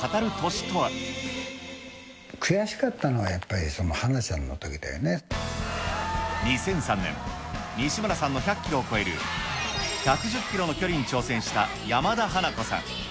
悔しかったのは、やっぱり花２００３年、西村さんの１００キロを超える、１１０キロの距離に挑戦した山田花子さん。